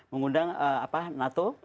mengundang apa nato